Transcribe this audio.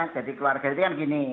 jadi keluarga itu kan gini